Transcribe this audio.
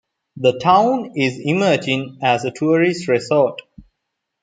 The town is emerging as a tourist resort.